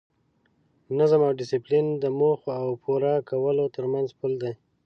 نظم او ډیسپلین د موخو او پوره کولو ترمنځ پل دی.